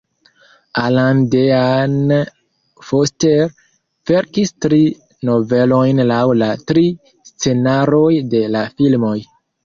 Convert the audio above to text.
Alan Dean Foster verkis tri novelojn laŭ la tri scenaroj de la filmoj.